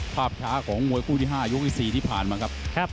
ภาพช้าของมวยคู่ที่๕ยกที่๔ที่ผ่านมาครับ